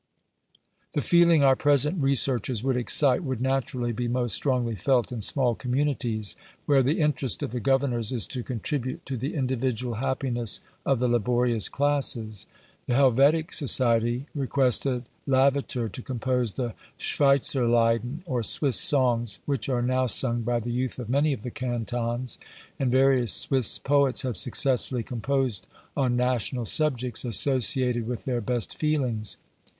The feeling our present researches would excite would naturally be most strongly felt in small communities, where the interest of the governors is to contribute to the individual happiness of the laborious classes. The Helvetic society requested Lavater to compose the Schweitzerlieder, or Swiss Songs, which are now sung by the youth of many of the cantons; and various Swiss poets have successfully composed on national subjects, associated with their best feelings.